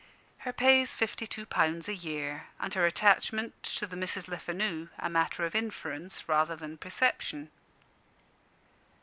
Her pay is fifty two pounds a year, and her attachment to the Misses Lefanu a matter of inference rather than perception.